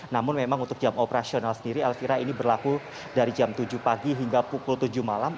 namun memang untuk jam operasional sendiri elvira ini berlaku dari jam tujuh pagi hingga pukul tujuh malam